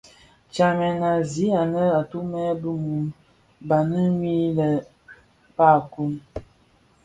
Tsamèn a zaňi anë atumè bi mum baňi wii lè barkun.